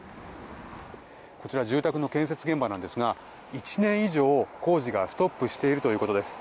こちら住宅の建設現場なんですが１年以上、工事がストップしているということです。